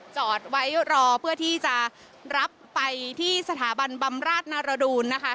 จอดไว้รอเพื่อที่จะรับไปที่สถาบันบำราชนรดูนนะคะ